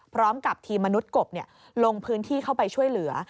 พร้อมกับทีมมนุษย์กบลงพื้นที่เข้าไปช่วยเหลือ